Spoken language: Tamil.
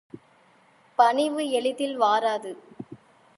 பணிவு எளிதில் வாராது.